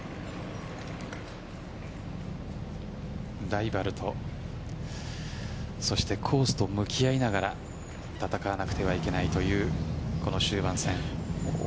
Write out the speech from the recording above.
ライバルとそしてコースと向き合いながら戦わなくてはいけないというこの終盤戦。